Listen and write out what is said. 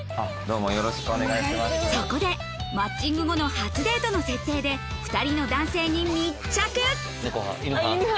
そこで、マッチング後の初デートの設定で２人の男性に密着。